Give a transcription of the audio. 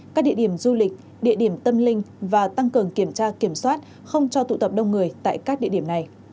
các địa điểm du lịch địa điểm tâm linh và tăng cường kiểm tra kiểm soát không cho tụ tập đông người tại các địa điểm này